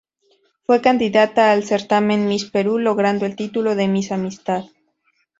Fue candidata al certamen Miss Perú, logrando el título de Miss Amistad.